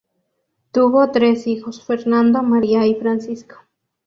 Tuvo tres hijos: Fernando, María y Francisco.